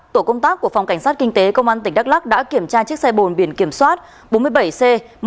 tổ công tác của phòng cảnh sát kinh tế công an tỉnh đắk lắc đã kiểm tra chiếc xe bồn biển kiểm soát bốn mươi bảy c một mươi hai nghìn ba trăm một mươi năm